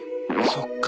そっか。